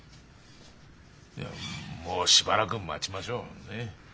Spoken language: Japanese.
いやもうしばらく待ちましょう。ね。